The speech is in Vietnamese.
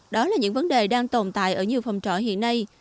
đó là những vấn đề đang tồn tại ở nhiều phòng trọ hiện nay